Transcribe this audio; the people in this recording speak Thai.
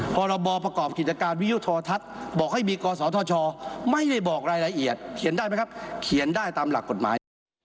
พรบประกอบกิจการวิยุโทรทัศน์บอกให้มีกศธชไม่ได้บอกรายละเอียดเขียนได้ไหมครับเขียนได้ตามหลักกฎหมาย